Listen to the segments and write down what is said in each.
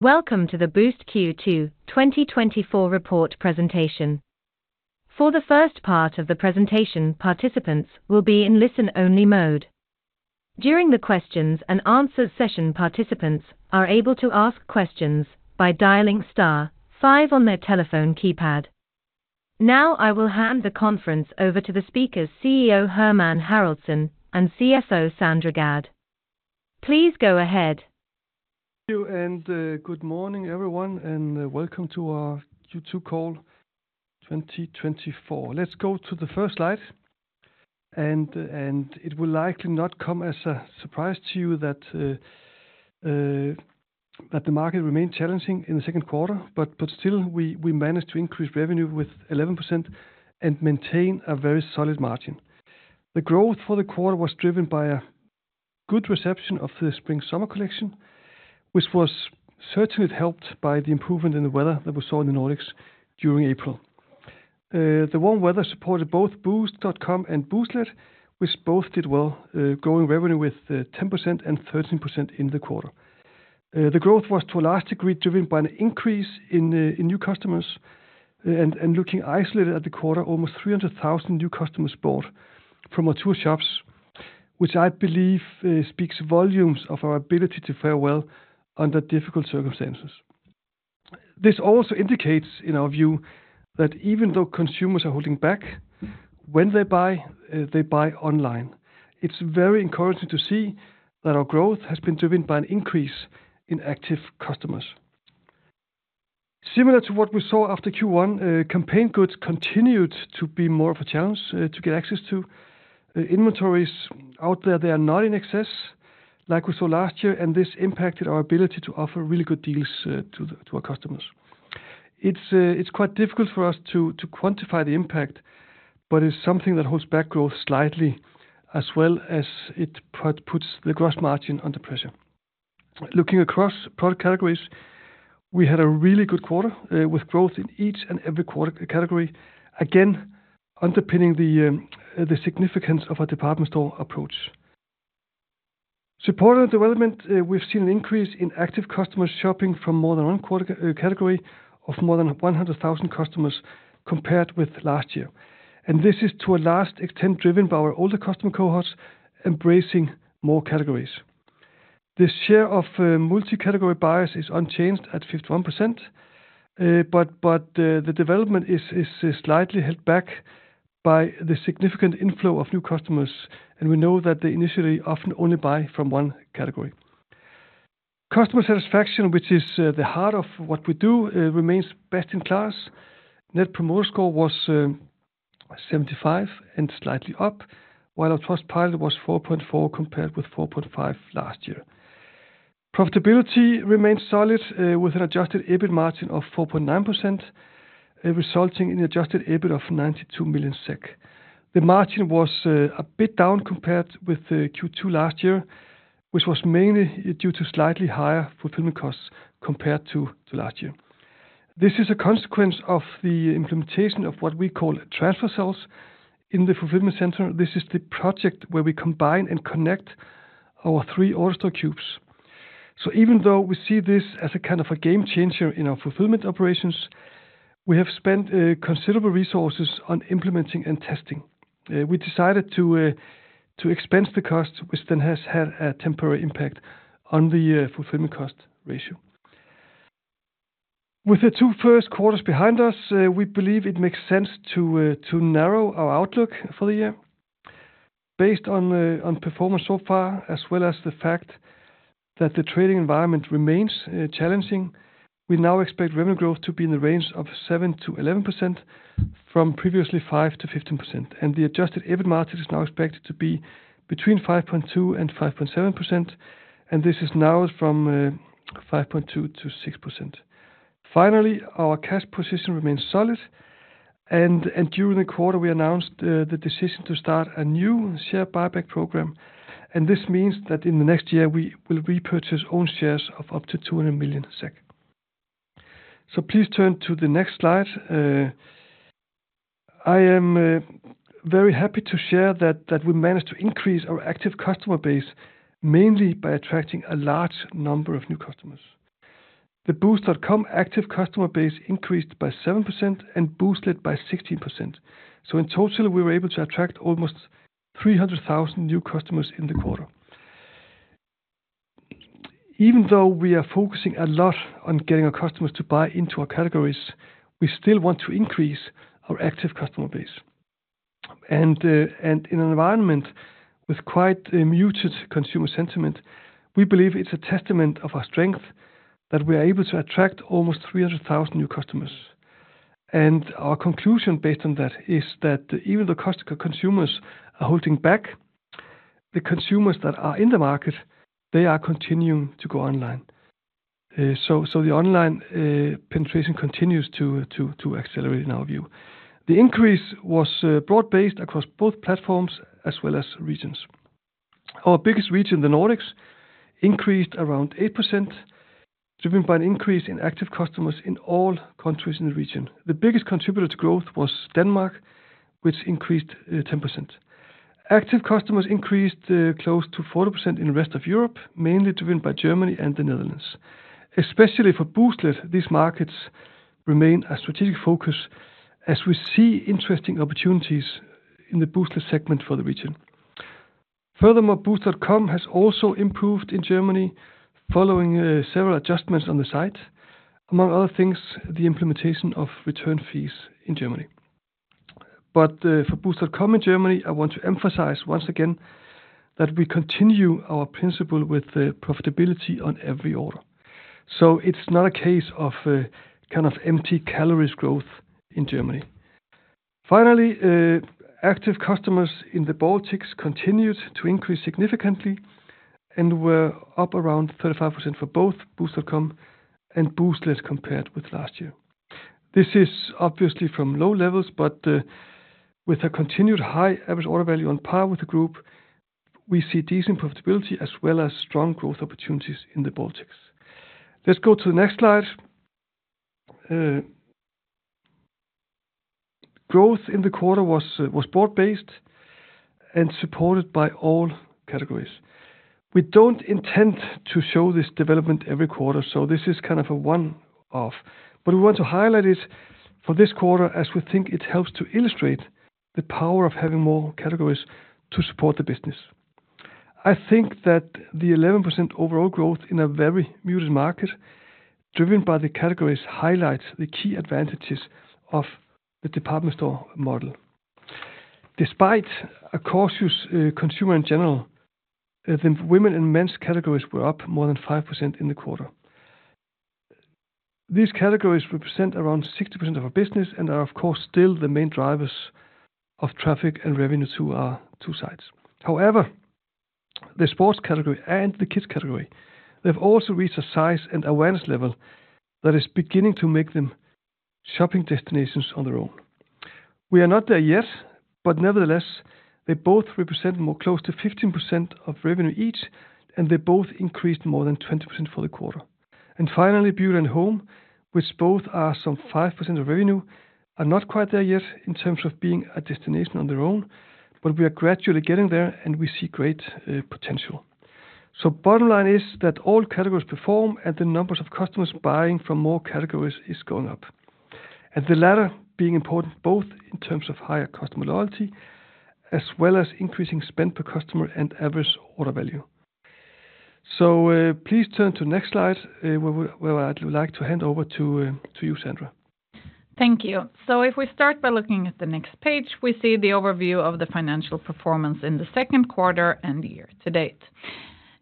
Welcome to the Boozt Q2 2024 report presentation. For the first part of the presentation, participants will be in listen-only mode. During the questions and answers session, participants are able to ask questions by dialing star five on their telephone keypad. Now, I will hand the conference over to the speakers, CEO Hermann Haraldsson and CFO Sandra Gadd. Please go ahead. Thank you, and, good morning, everyone, and welcome to our Q2 call 2024. Let's go to the first slide, and it will likely not come as a surprise to you that the market remained challenging in the second quarter, but still we managed to increase revenue with 11% and maintain a very solid margin. The growth for the quarter was driven by a good reception of the spring/summer collection, which was certainly helped by the improvement in the weather that we saw in the Nordics during April. The warm weather supported both Boozt.com and Booztlet, which both did well, growing revenue with 10% and 13% in the quarter. The growth was to a large degree driven by an increase in new customers, and looking isolated at the quarter, almost 300,000 new customers bought from our two shops, which I believe speaks volumes of our ability to fare well under difficult circumstances. This also indicates, in our view, that even though consumers are holding back, when they buy, they buy online. It's very encouraging to see that our growth has been driven by an increase in active customers. Similar to what we saw after Q1, campaign goods continued to be more of a challenge to get access to. The inventories out there, they are not in excess like we saw last year, and this impacted our ability to offer really good deals to our customers. It's quite difficult for us to quantify the impact, but it's something that holds back growth slightly as well as it puts the gross margin under pressure. Looking across product categories, we had a really good quarter with growth in each and every category, again, underpinning the significance of our department store approach. Supporting the development, we've seen an increase in active customers shopping from more than one category of more than 100,000 customers compared with last year. And this is to a large extent driven by our older customer cohorts embracing more categories. The share of multi-category buyers is unchanged at 51%, but the development is slightly held back by the significant inflow of new customers, and we know that they initially often only buy from one category. Customer satisfaction, which is the heart of what we do, remains best in class. Net Promoter Score was 75 and slightly up, while our Trustpilot was 4.4, compared with 4.5 last year. Profitability remained solid, with an Adjusted EBIT margin of 4.9%, resulting in an Adjusted EBIT of 92 million SEK. The margin was a bit down compared with the Q2 last year, which was mainly due to slightly higher fulfillment costs compared to last year. This is a consequence of the implementation of what we call transfer cells in the fulfillment center.auto This is the project where we combine and connect our three AutoStore cubes. So even though we see this as a kind of a game changer in our fulfillment operations, we have spent, considerable resources on implementing and testing. We decided to, to expense the cost, which then has had a temporary impact on the, Fulfillment Cost Ratio. With the two first quarters behind us, we believe it makes sense to, to narrow our outlook for the year. Based on performance so far, as well as the fact that the trading environment remains challenging, we now expect revenue growth to be in the range of 7%-11% from previously 5%-15%, and the Adjusted EBIT margin is now expected to be between 5.2% and 5.7%, and this is now from 5.2%-6%. Finally, our cash position remains solid and during the quarter, we announced the decision to start a new share buyback program, and this means that in the next year we will repurchase own shares of up to 200 million SEK. So please turn to the next slide. I am very happy to share that we managed to increase our active customer base, mainly by attracting a large number of new customers. The Boozt.com active customer base increased by 7% and Booztlet by 16%. So in total, we were able to attract almost 300,000 new customers in the quarter. Even though we are focusing a lot on getting our customers to buy into our categories, we still want to increase our active customer base. And in an environment with quite a muted consumer sentiment, we believe it's a testament of our strength that we are able to attract almost 300,000 new customers. And our conclusion based on that is that even though cost to consumers are holding back, the consumers that are in the market, they are continuing to go online. So the online penetration continues to accelerate in our view. The increase was broad-based across both platforms as well as regions. Our biggest region, the Nordics, increased around 8%, driven by an increase in active customers in all countries in the region. The biggest contributor to growth was Denmark, which increased 10%. Active customers increased close to 40% in the rest of Europe, mainly driven by Germany and the Netherlands. Especially for Booztlet, these markets remain a strategic focus as we see interesting opportunities in the Booztlet segment for the region. Furthermore, Boozt.com has also improved in Germany, following several adjustments on the site, among other things, the implementation of return fees in Germany. But, for Boozt.com in Germany, I want to emphasize once again that we continue our principle with the profitability on every order. So it's not a case of, kind of empty calories growth in Germany. Finally, active customers in the Baltics continued to increase significantly and were up around 35% for both Boozt.com and Booztlet compared with last year. This is obviously from low levels, but, with a continued high average order value on par with the group, we see decent profitability as well as strong growth opportunities in the Baltics. Let's go to the next slide. Growth in the quarter was broad-based and supported by all categories. We don't intend to show this development every quarter, so this is kind of a one-off, but we want to highlight it for this quarter, as we think it helps to illustrate the power of having more categories to support the business. I think that the 11% overall growth in a very muted market, driven by the categories, highlights the key advantages of the department store model. Despite a cautious consumer in general, the women and men's categories were up more than 5% in the quarter. These categories represent around 60% of our business and are, of course, still the main drivers of traffic and revenue to our two sites. However, the sports category and the kids category, they've also reached a size and awareness level that is beginning to make them shopping destinations on their own. We are not there yet, but nevertheless, they both represent more close to 15% of revenue each, and they both increased more than 20% for the quarter. And finally, beauty and home, which both are some 5% of revenue, are not quite there yet in terms of being a destination on their own, but we are gradually getting there, and we see great potential. Bottom line is that all categories perform, and the numbers of customers buying from more categories is going up. The latter being important, both in terms of higher customer loyalty, as well as increasing spend per customer and average order value. Please turn to the next slide, where I'd like to hand over to you, Sandra. Thank you. So if we start by looking at the next page, we see the overview of the financial performance in the second quarter and the year to date.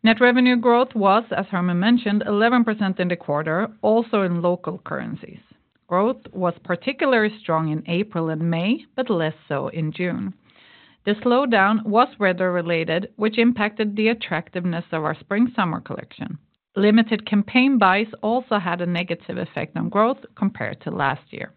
Net revenue growth was, as Herman mentioned, 11% in the quarter, also in local currencies. Growth was particularly strong in April and May, but less so in June. The slowdown was weather-related, which impacted the attractiveness of our spring/summer collection. Limited campaign buys also had a negative effect on growth compared to last year.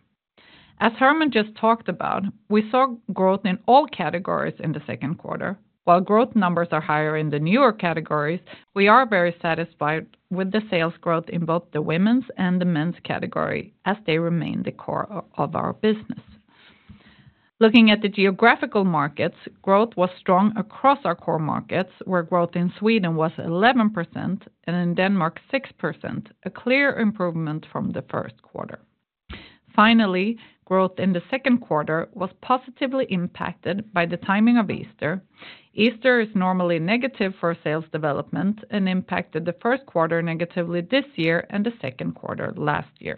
As Herman just talked about, we saw growth in all categories in the second quarter. While growth numbers are higher in the newer categories, we are very satisfied with the sales growth in both the women's and the men's category as they remain the core of our business. Looking at the geographical markets, growth was strong across our core markets, where growth in Sweden was 11% and in Denmark, 6%, a clear improvement from the first quarter. Finally, growth in the second quarter was positively impacted by the timing of Easter. Easter is normally negative for sales development and impacted the first quarter negatively this year and the second quarter last year.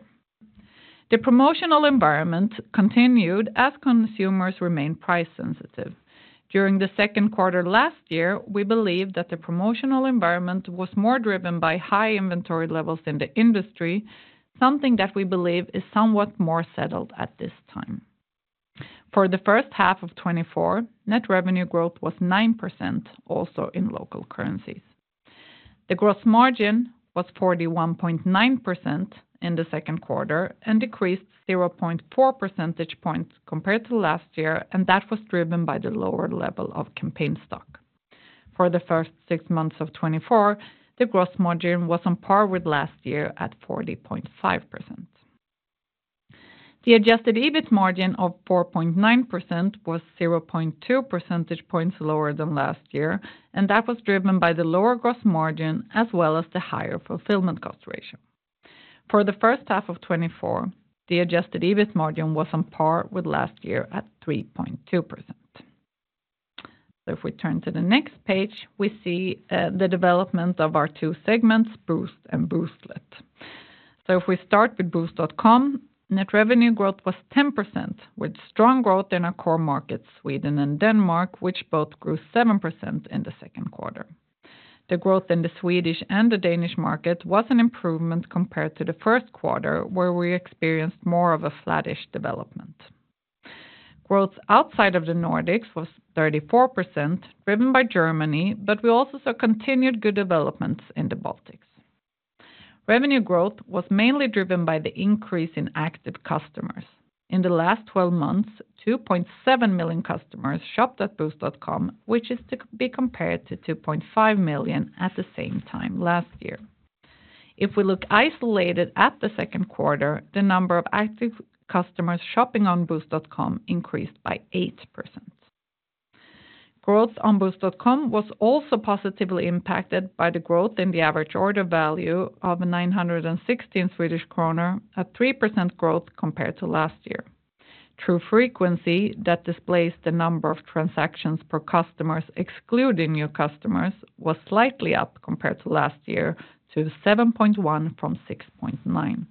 The promotional environment continued as consumers remained price sensitive. During the second quarter last year, we believe that the promotional environment was more driven by high inventory levels in the industry, something that we believe is somewhat more settled at this time. For the first half of 2024, net revenue growth was 9%, also in local currencies. The gross margin was 41.9% in the second quarter and decreased 0.4 percentage points compared to last year, and that was driven by the lower level of campaign stock. For the first six months of 2024, the gross margin was on par with last year at 40.5%. The Adjusted EBIT margin of 4.9% was 0.2 percentage points lower than last year, and that was driven by the lower gross margin as well as the higher fulfillment cost ratio. For the first half of 2024, the Adjusted EBIT margin was on par with last year at 3.2%. So if we turn to the next page, we see the development of our two segments, Boozt and Booztlet. If we start with Boozt.com, net revenue growth was 10%, with strong growth in our core markets, Sweden and Denmark, which both grew 7% in the second quarter. The growth in the Swedish and the Danish market was an improvement compared to the first quarter, where we experienced more of a flattish development. Growth outside of the Nordics was 34%, driven by Germany, but we also saw continued good developments in the Baltics. Revenue growth was mainly driven by the increase in active customers. In the last twelve months, 2.7 million customers shopped at Boozt.com, which is to be compared to 2.5 million at the same time last year. If we look isolated at the second quarter, the number of active customers shopping on Boozt.com increased by 8%. Growth on Boozt.com was also positively impacted by the growth in the average order value of 916 Swedish kronor, a 3% growth compared to last year. True Frequency that displays the number of transactions per customers, excluding new customers, was slightly up compared to last year, to 7.1 from 6.9.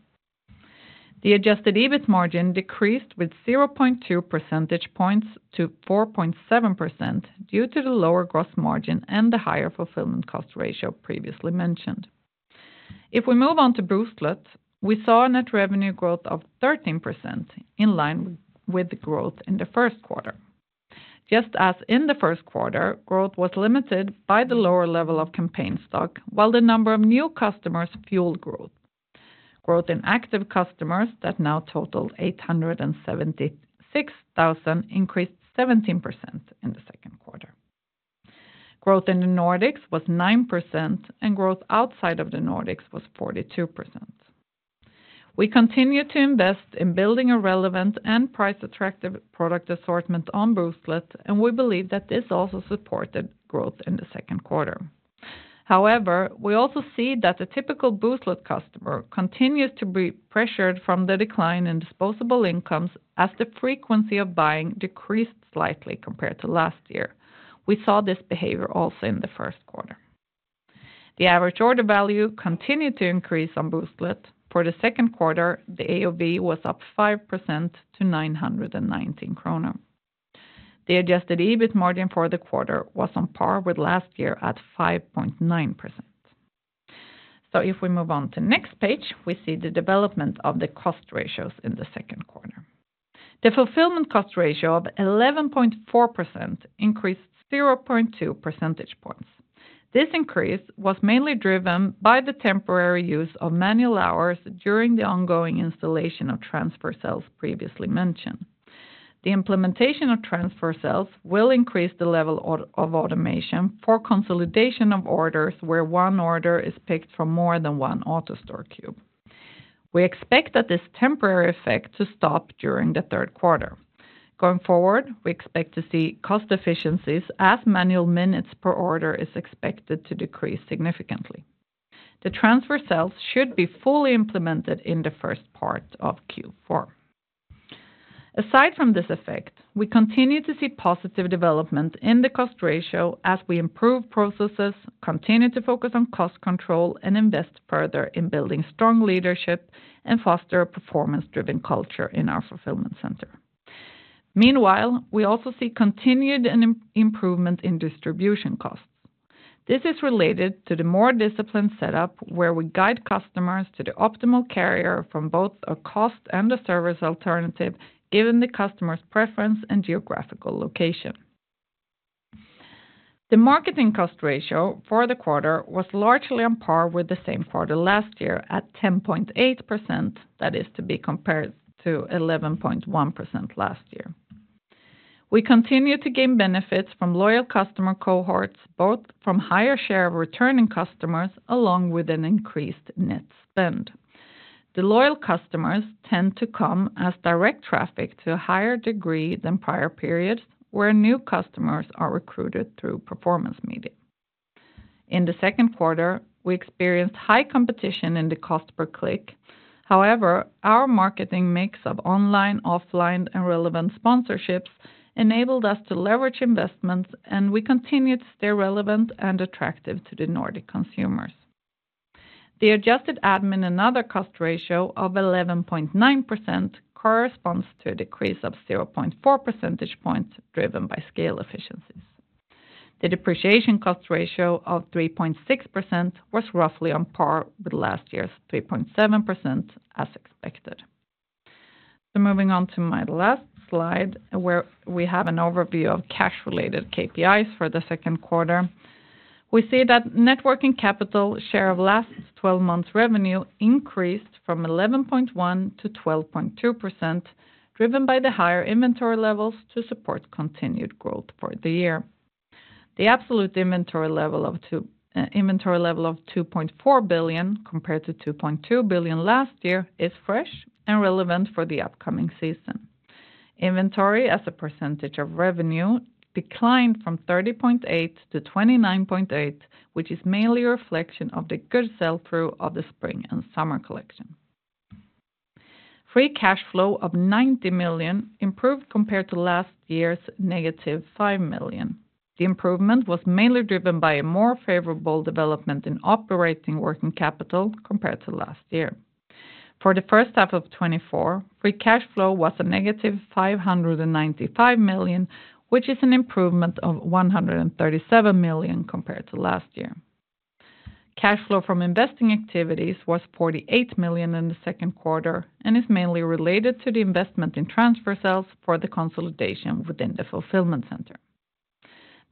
The Adjusted EBIT margin decreased with 0.2 percentage points to 4.7% due to the lower gross margin and the higher fulfillment cost ratio previously mentioned. If we move on to Booztlet, we saw a net revenue growth of 13% in line with the growth in the first quarter. Just as in the first quarter, growth was limited by the lower level of campaign stock, while the number of new customers fueled growth. Growth in active customers that now total 876,000 increased 17% in the second quarter. Growth in the Nordics was 9%, and growth outside of the Nordics was 42%. We continue to invest in building a relevant and price-attractive product assortment on Booztlet, and we believe that this also supported growth in the second quarter. However, we also see that the typical Booztlet customer continues to be pressured from the decline in disposable incomes, as the frequency of buying decreased slightly compared to last year. We saw this behavior also in the first quarter. The average order value continued to increase on Booztlet. For the second quarter, the AOV was up 5% to 919 kronor. The adjusted EBIT margin for the quarter was on par with last year at 5.9%. So if we move on to next page, we see the development of the cost ratios in the second quarter. The fulfillment cost ratio of 11.4% increased 0.2 percentage points. This increase was mainly driven by the temporary use of manual hours during the ongoing installation of transfer cells previously mentioned. The implementation of transfer cells will increase the level of automation for consolidation of orders, where one order is picked from more than one AutoStore cube. We expect that this temporary effect to stop during the third quarter. Going forward, we expect to see cost efficiencies as manual minutes per order is expected to decrease significantly. The transfer cells should be fully implemented in the first part of Q4. Aside from this effect, we continue to see positive development in the cost ratio as we improve processes, continue to focus on cost control, and invest further in building strong leadership and foster a performance-driven culture in our fulfillment center. Meanwhile, we also see continued improvement in distribution costs. This is related to the more disciplined setup, where we guide customers to the optimal carrier from both a cost and a service alternative, given the customer's preference and geographical location. The marketing cost ratio for the quarter was largely on par with the same quarter last year at 10.8%. That is to be compared to 11.1% last year. We continue to gain benefits from loyal customer cohorts, both from higher share of returning customers along with an increased net spend. The loyal customers tend to come as direct traffic to a higher degree than prior periods, where new customers are recruited through performance meeting. In the second quarter, we experienced high competition in the cost per click. However, our marketing mix of online, offline, and relevant sponsorships enabled us to leverage investments, and we continued to stay relevant and attractive to the Nordic consumers. The adjusted admin and other cost ratio of 11.9% corresponds to a decrease of 0.4 percentage points, driven by scale efficiencies. The depreciation cost ratio of 3.6% was roughly on par with last year's 3.7%, as expected. Moving on to my last slide, where we have an overview of cash-related KPIs for the second quarter. We see that net working capital share of last twelve months' revenue increased from 11.1% to 12.2%, driven by the higher inventory levels to support continued growth for the year. The absolute inventory level of 2.4 billion, compared to 2.2 billion last year, is fresh and relevant for the upcoming season. Inventory, as a percentage of revenue, declined from 30.8% to 29.8%, which is mainly a reflection of the good sell-through of the spring and summer collection. Free cash flow of 90 million improved compared to last year's -5 million. The improvement was mainly driven by a more favorable development in operating working capital compared to last year. For the first half of 2024, free cash flow was -595 million, which is an improvement of 137 million compared to last year. Cash flow from investing activities was 48 million in the second quarter and is mainly related to the investment in Transfer Cells for the consolidation within the fulfillment center.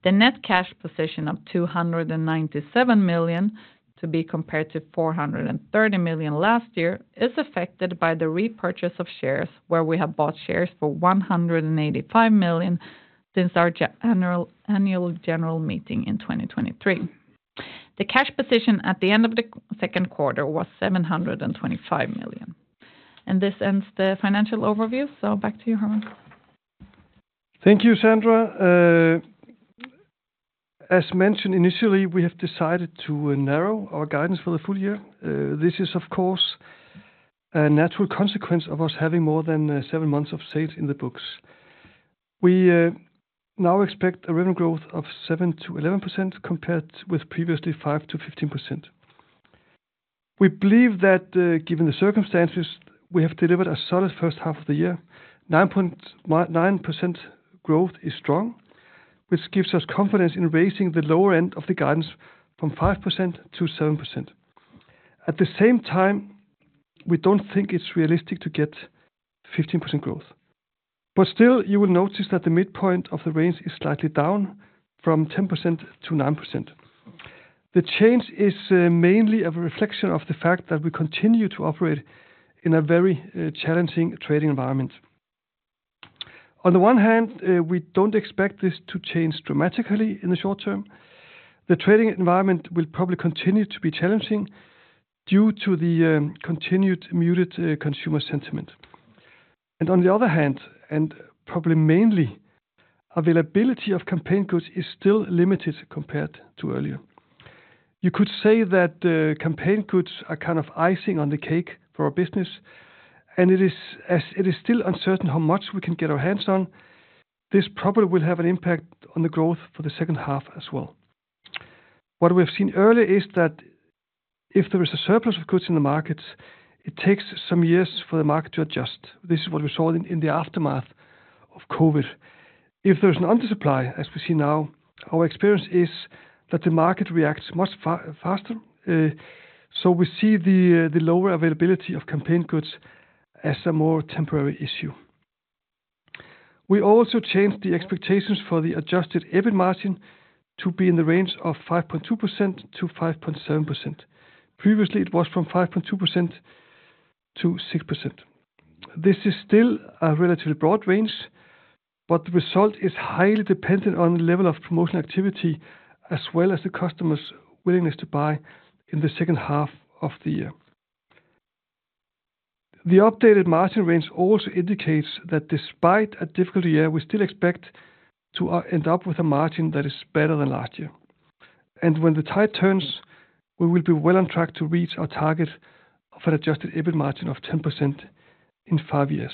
The net cash position of 297 million, to be compared to 430 million last year, is affected by the repurchase of shares, where we have bought shares for 185 million since our annual general meeting in 2023. The cash position at the end of the second quarter was 725 million. This ends the financial overview, so back to you, Hermann. Thank you, Sandra. As mentioned, initially, we have decided to narrow our guidance for the full year. This is, of course, a natural consequence of us having more than seven months of sales in the books. We now expect a revenue growth of 7%-11%, compared with previously 5%-15%. We believe that, given the circumstances, we have delivered a solid first half of the year. 9.9% growth is strong, which gives us confidence in raising the lower end of the guidance from 5%-7%. At the same time, we don't think it's realistic to get 15% growth, but still, you will notice that the midpoint of the range is slightly down from 10%-9%. The change is mainly a reflection of the fact that we continue to operate in a very challenging trading environment. On the one hand, we don't expect this to change dramatically in the short term. The trading environment will probably continue to be challenging due to the continued muted consumer sentiment. On the other hand, and probably mainly, availability of campaign goods is still limited compared to earlier. You could say that the campaign goods are kind of icing on the cake for our business, and it is. As it is still uncertain how much we can get our hands on, this probably will have an impact on the growth for the second half as well. What we have seen earlier is that if there is a surplus of goods in the market, it takes some years for the market to adjust. This is what we saw in the aftermath of COVID. If there's an under supply, as we see now, our experience is that the market reacts much faster, so we see the lower availability of campaign goods as a more temporary issue. We also changed the expectations for the adjusted EBIT margin to be in the range of 5.2%-5.7%. Previously, it was from 5.2%-6%. This is still a relatively broad range, but the result is highly dependent on the level of promotional activity, as well as the customer's willingness to buy in the second half of the year. The updated margin range also indicates that despite a difficult year, we still expect to end up with a margin that is better than last year. When the tide turns, we will be well on track to reach our target of an Adjusted EBIT margin of 10% in five years.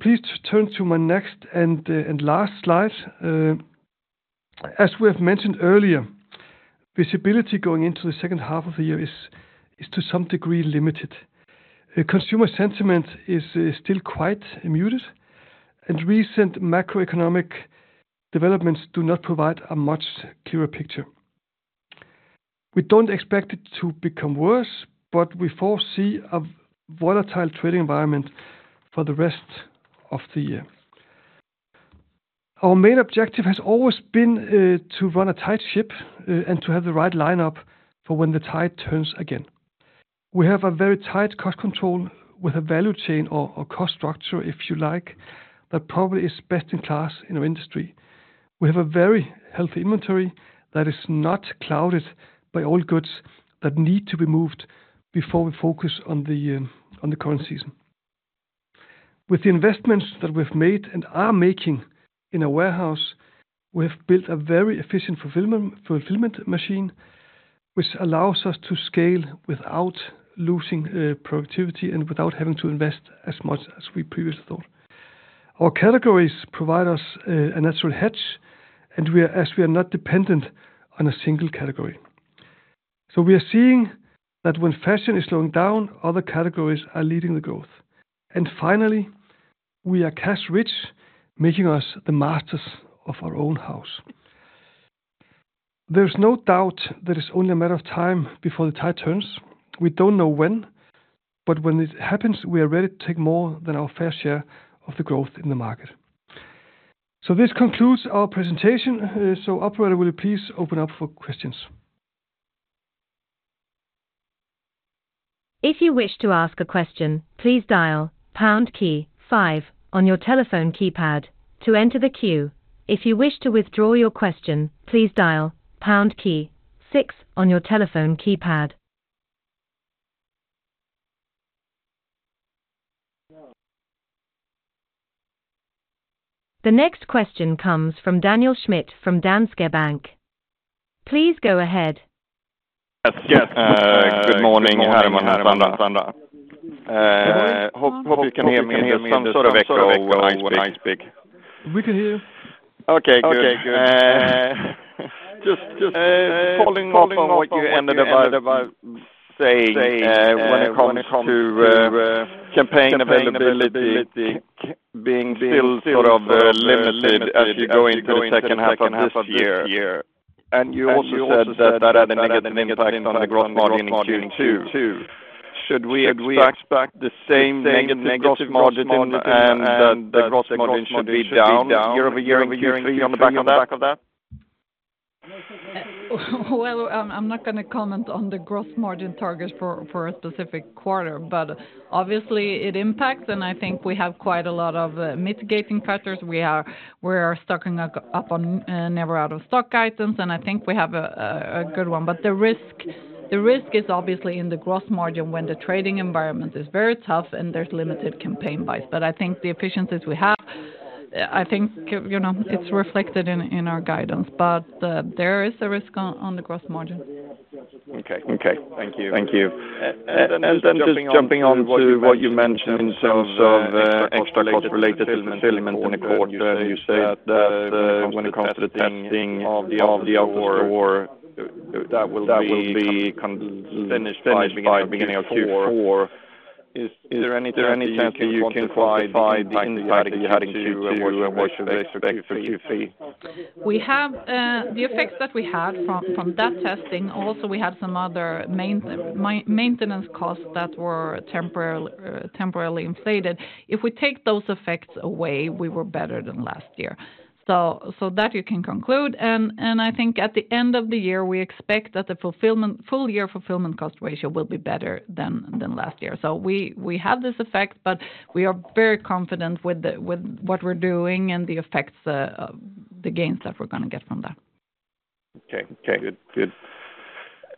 Please turn to my next and last slide. As we have mentioned earlier, visibility going into the second half of the year is to some degree limited. The consumer sentiment is still quite muted, and recent macroeconomic developments do not provide a much clearer picture. We don't expect it to become worse, but we foresee a volatile trading environment for the rest of the year. Our main objective has always been to run a tight ship and to have the right lineup for when the tide turns again. We have a very tight cost control with a value chain or cost structure, if you like, that probably is best in class in our industry. We have a very healthy inventory that is not clouded by old goods that need to be moved before we focus on the current season. With the investments that we've made and are making in our warehouse, we have built a very efficient fulfillment machine, which allows us to scale without losing productivity and without having to invest as much as we previously thought. Our categories provide us a natural hedge, and we are, as we are not dependent on a single category. So we are seeing that when fashion is slowing down, other categories are leading the growth. And finally, we are cash rich, making us the masters of our own house. There's no doubt that it's only a matter of time before the tide turns. We don't know when, but when it happens, we are ready to take more than our fair share of the growth in the market. So this concludes our presentation. Operator, will you please open up for questions? If you wish to ask a question, please dial pound key five on your telephone keypad to enter the queue. If you wish to withdraw your question, please dial pound key six on your telephone keypad. The next question comes from Daniel Schmidt from Danske Bank. Please go ahead. Yes, good morning, Hermann and Sandra. Hope you can hear me and sort of echo when I speak. We can hear you. Okay, good. Just following up on what you ended up by saying, when it comes to campaign availability, being still sort of limited as you go into the second half of this year. And you also said that that had a negative impact on the gross margin in Q2. Should we expect the same negative gross margin, and that the gross margin should be down year over year in Q3 on the back of that? Well, I'm not gonna comment on the gross margin targets for a specific quarter, but obviously it impacts, and I think we have quite a lot of mitigating factors. We are stocking up on never out of stock items, and I think we have a good one. But the risk is obviously in the gross margin when the trading environment is very tough and there's limited campaign buys. But I think the efficiencies we have, you know, it's reflected in our guidance, but there is a risk on the gross margin. Okay. Okay. Thank you. Thank you. And, and then just jumping on to what you mentioned in terms of extra costs related to fulfillment in the quarter, you said that when it comes to the testing of the AutoStore, that will be finished by beginning of Q4. Is there any chance that you can quantify the impact you had in Q2, and what should we expect for Q3? We have the effects that we had from that testing. Also, we had some other maintenance costs that were temporarily inflated. If we take those effects away, we were better than last year. So that you can conclude, and I think at the end of the year, we expect that the full year fulfillment cost ratio will be better than last year. So we have this effect, but we are very confident with what we're doing and the effects of the gains that we're gonna get from that. Okay. Okay, good. Good.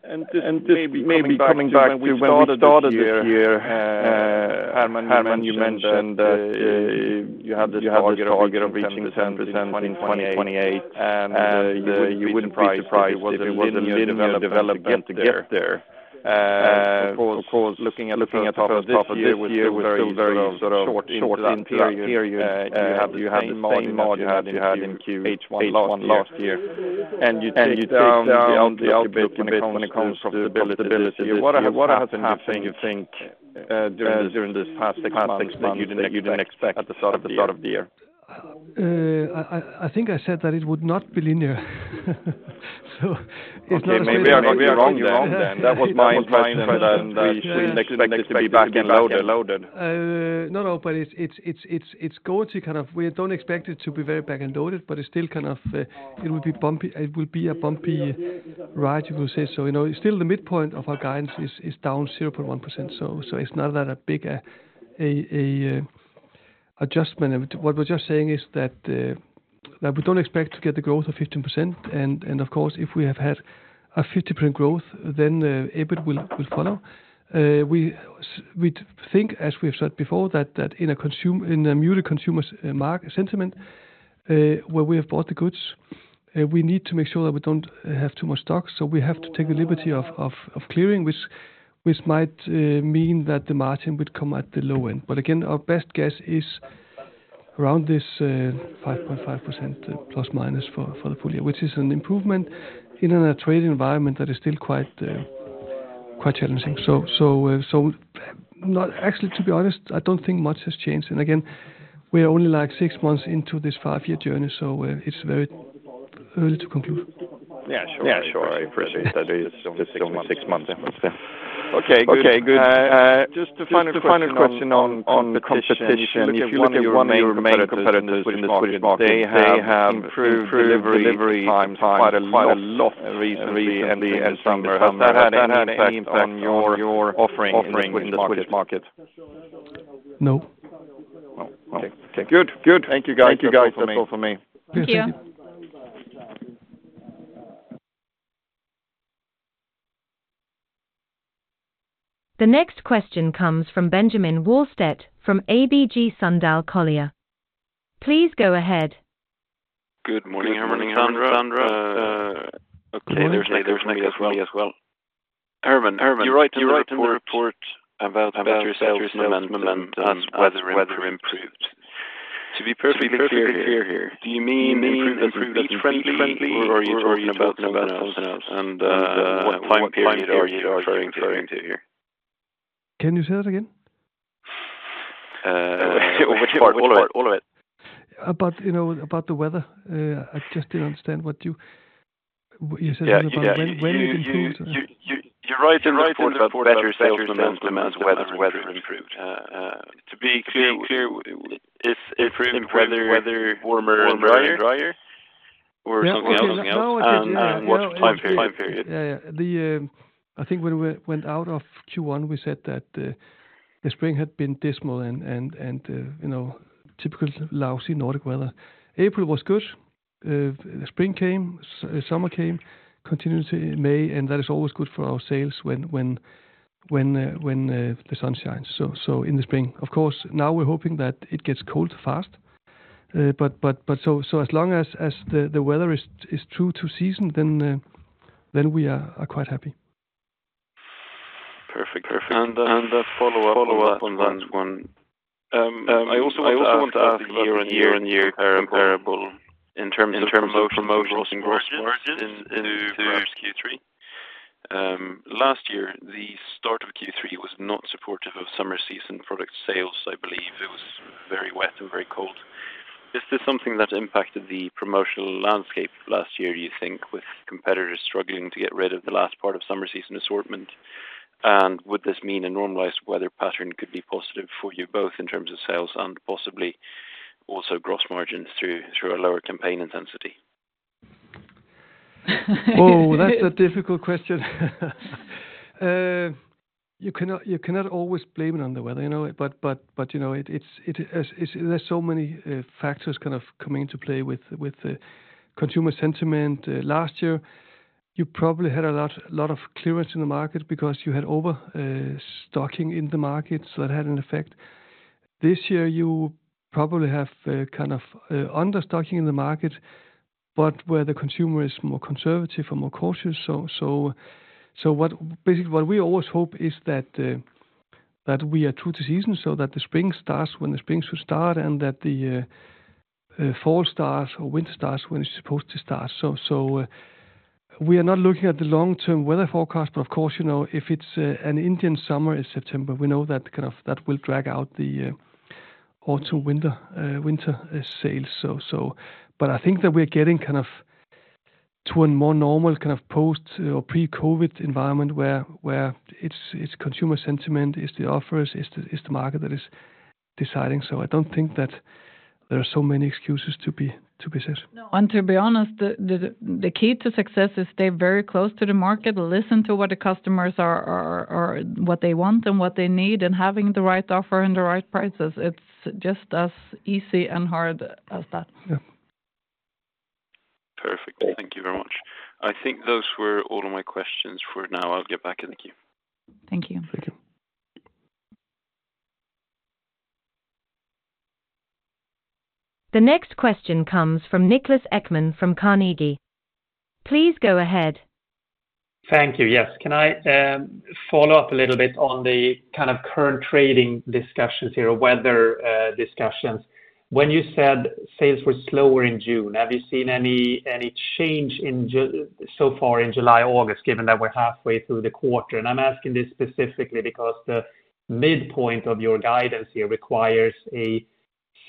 Just maybe coming back to when we started this year, Herman, you mentioned that you had this target of reaching 10% in 2028, and you wouldn't be surprised if it was a linear development to get there. Of course, looking at the first half of this year, we're still very sort of short into that period. You have the same model you had in Q1 last year, and you take down the outlook a bit when it comes to profitability. What has happened, you think, during this, during this past six months that you didn't expect at the start of the year? I think I said that it would not be linear. So it's not- Okay, maybe I got you wrong then. That was my question, that we shouldn't expect it to be back and loaded. No, no, but it's going to kind of... We don't expect it to be very back and loaded, but it's still kind of, it will be bumpy, it will be a bumpy ride, you could say. So, you know, still the midpoint of our guidance is down 0.1%, so it's not that big a adjustment. What we're just saying is that we don't expect to get the growth of 15%, and of course, if we have had a 50% growth, then EBIT will follow. We think, as we've said before, that in a multi-consumer market sentiment, where we have bought the goods, we need to make sure that we don't have too much stock, so we have to take the liberty of clearing, which might mean that the margin would come at the low end. But again, our best guess is around this 5.5% ± for the full year, which is an improvement in a trade environment that is still quite challenging. So, not actually, to be honest, I don't think much has changed, and again, we are only, like, six months into this five-year journey, so it's very early to conclude. Yeah, sure. Yeah, sure. I appreciate that. It's only six months in. Okay. Good. Just a final question on competition. If you look at one of your main competitors in the Swedish market, they have improved delivery times quite a lot recently into the summer. Has that had any impact on your offering in the Swedish market? No. Okay, good. Good. Thank you, guys. That's all for me. Thank you. The next question comes from Benjamin Wahlstedt from ABG Sundal Collier. Please go ahead. Good morning, Sandra. Okay, there's next as well. Herman, you write in the report about better sales momentum and weather improved. To be perfectly clear here, do you mean improvement weather friendly, or are you talking about something else? And, what time period are you referring to here? Can you say that again? Which part? All of it. About, you know, about the weather. I just didn't understand what you said about when it improved. You write in the report about better sales momentum and weather improved. To be clear, if improved weather, weather warmer and drier or something else? And what time period? Yeah. The, I think when we went out of Q1, we said that the spring had been dismal and, you know, typical lousy Nordic weather. April was good. The spring came, summer came, continued to May, and that is always good for our sales when the sun shines, so in the spring. Of course, now we're hoping that it gets cold fast. But so as long as the weather is true to season, then we are quite happy. Perfect. And, and a follow-up on that one. I also want to ask the year-on-year comparable in terms of promotions and gross margins into Q3. Last year, the start of Q3 was not supportive of summer season product sales, I believe. It was very wet and very cold. Is this something that impacted the promotional landscape last year, do you think, with competitors struggling to get rid of the last part of summer season assortment? Would this mean a normalized weather pattern could be positive for you, both in terms of sales and possibly also gross margins through a lower campaign intensity? Oh, that's a difficult question. You cannot, you cannot always blame it on the weather, you know, but, you know, it's, there's so many factors kind of coming into play with the consumer sentiment. Last year, you probably had a lot, a lot of clearance in the market because you had overstocking in the market, so that had an effect. This year you probably have kind of understocking in the market, but where the consumer is more conservative and more cautious. So what basically, what we always hope is that we are true to season, so that the spring starts when the spring should start, and that the fall starts or winter starts when it's supposed to start. So we are not looking at the long-term weather forecast, but of course, you know, if it's an Indian summer in September, we know that kind of that will drag out the autumn winter sales. So but I think that we're getting kind of to a more normal kind of post- or pre-COVID environment, where it's consumer sentiment, it's the offers, it's the market that is deciding. So I don't think that there are so many excuses to be said. No, and to be honest, the key to success is stay very close to the market. Listen to what the customers are what they want and what they need, and having the right offer and the right prices. It's just as easy and hard as that. Yeah. Perfect. Thank you very much. I think those were all of my questions for now. I'll get back to you. Thank you. Thank you. The next question comes from Niklas Ekman from Carnegie. Please go ahead. Thank you. Yes. Can I follow up a little bit on the kind of current trading discussions here, or weather discussions? When you said sales were slower in June, have you seen any change so far in July, August, given that we're halfway through the quarter? And I'm asking this specifically because the midpoint of your guidance here requires a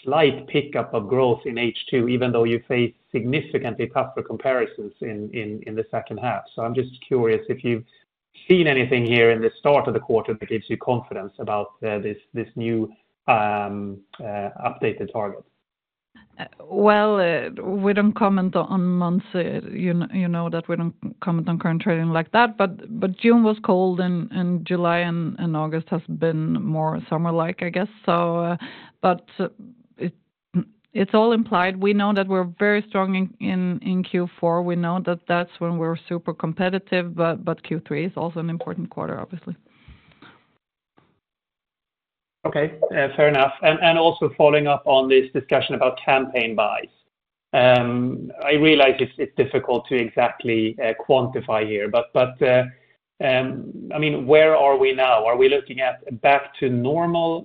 slight pickup of growth in H2, even though you face significantly tougher comparisons in the second half. So I'm just curious if you've seen anything here in the start of the quarter that gives you confidence about this new updated target? Well, we don't comment on months. You know that we don't comment on current trading like that, but June was cold, and July and August has been more summer-like, I guess so. But it's all implied. We know that we're very strong in Q4. We know that that's when we're super competitive, but Q3 is also an important quarter, obviously. Okay, fair enough. Also following up on this discussion about campaign buys. I realize it's difficult to exactly quantify here, but I mean, where are we now? Are we looking at back to normal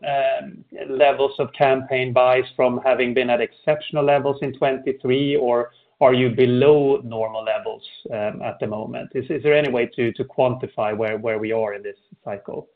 levels of campaign buys from having been at exceptional levels in 2023, or are you below normal levels at the moment? Is there any way to quantify where we are in this cycle?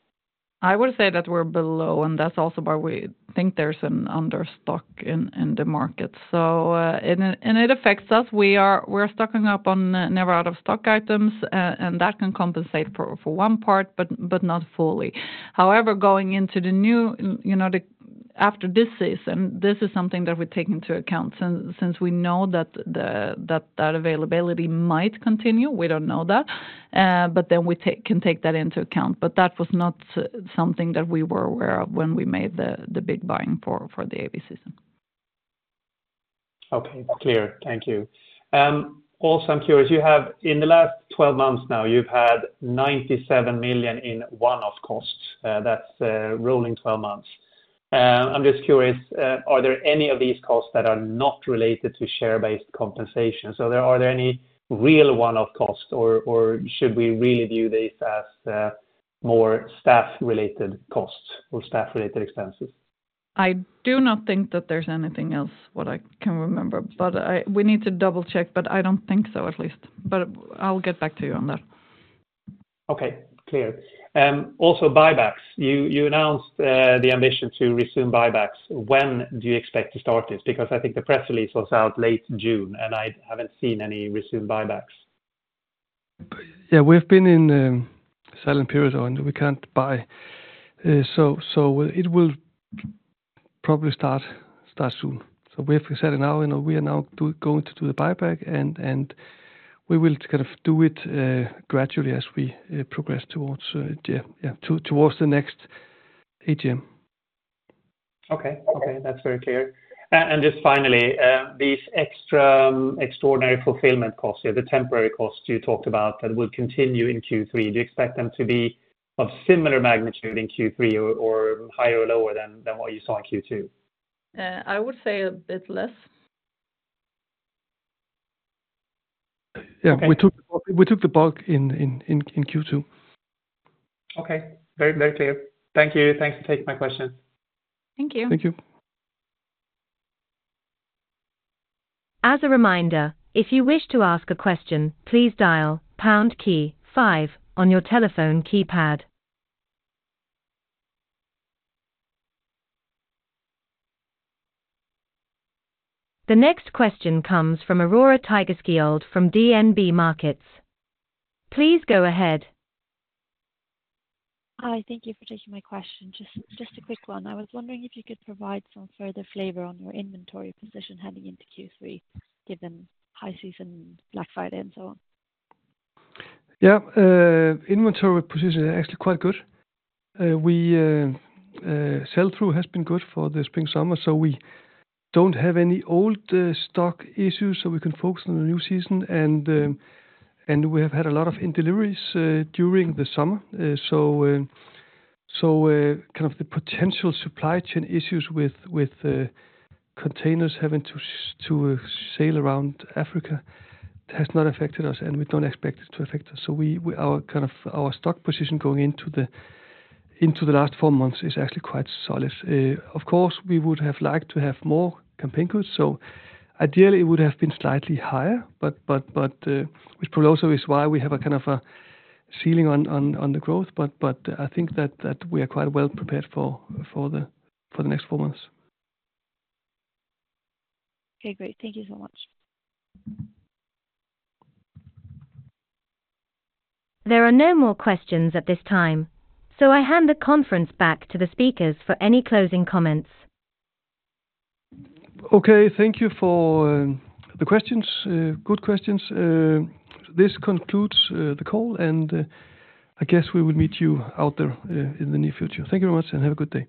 I would say that we're below, and that's also why we think there's an understock in the market. So, and it affects us. We're stocking up on never out of stock items, and that can compensate for one part, but not fully. However, going into the new, you know, after this season, this is something that we take into account. Since we know that availability might continue, we don't know that, but then we can take that into account. But that was not something that we were aware of when we made the big buying for the AW season. Okay, clear. Thank you. Also, I'm curious, you have in the last 12 months now, you've had 97 million in one-off costs, that's, rolling 12 months. I'm just curious, are there any of these costs that are not related to share-based compensation? So are there any real one-off costs, or, or should we really view these as, more staff-related costs or staff-related expenses? I do not think that there's anything else, what I can remember, but we need to double-check, but I don't think so, at least. But I'll get back to you on that. Okay, clear. Also, buybacks. You announced the ambition to resume buybacks. When do you expect to start this? Because I think the press release was out late June, and I haven't seen any resumed buybacks. Yeah, we've been in silent period, and we can't buy. So it will probably start soon. So we have said it now, you know, we are now going to do the buyback, and we will kind of do it gradually as we progress towards the next AGM. Okay. Okay, that's very clear. And just finally, these extra extraordinary fulfillment costs, the temporary costs you talked about, that will continue in Q3, do you expect them to be of similar magnitude in Q3 or, or higher or lower than, than what you saw in Q2? I would say a bit less. Yeah. Okay. We took the bulk in Q2. Okay. Very, very clear. Thank you. Thanks for taking my questions. Thank you. Thank you. As a reminder, if you wish to ask a question, please dial pound key five on your telephone keypad. The next question comes from Aurora Tigerschiöld from DNB Markets. Please go ahead. Hi, thank you for taking my question. Just, just a quick one. I was wondering if you could provide some further flavor on your inventory position heading into Q3, given high season, Black Friday, and so on. Yeah. Inventory position is actually quite good. Our sell-through has been good for the spring/summer, so we don't have any old stock issues, so we can focus on the new season. And we have had a lot of in deliveries during the summer. So kind of the potential supply chain issues with containers having to sail around Africa has not affected us, and we don't expect it to affect us. So our kind of stock position going into the last four months is actually quite solid. Of course, we would have liked to have more campaign goods, so ideally it would have been slightly higher. But which probably also is why we have a kind of a ceiling on the growth. But I think that we are quite well prepared for the next four months. Okay, great. Thank you so much. There are no more questions at this time, so I hand the conference back to the speakers for any closing comments. Okay. Thank you for the questions, good questions. This concludes the call, and I guess we will meet you out there in the near future. Thank you very much, and have a good day.